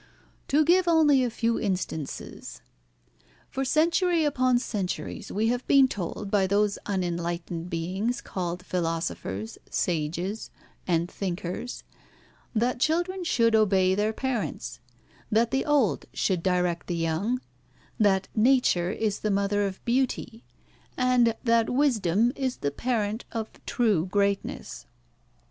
To give only a few instances. For centuries upon centuries we have been told by those unenlightened beings called philosophers, sages, and thinkers, that children should obey their parents, that the old should direct the young, that Nature is the mother of beauty, and that wisdom is the parent of true greatness.